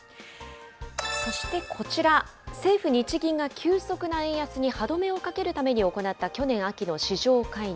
そしてこちら、政府・日銀が急速な円安に歯止めをかけるために行った去年秋の市場介入。